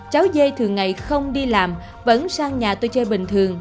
cháu dê thường ngày không đi làm vẫn sang nhà tôi chơi bình thường